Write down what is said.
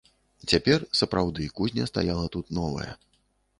Цяпер сапраўды кузня стаяла тут новая.